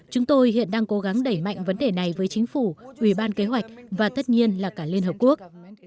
chúng tôi hiện đang cố gắng đẩy mạnh vấn đề này với chính phủ ủy ban kế hoạch và tất nhiên là cả liên hợp quốc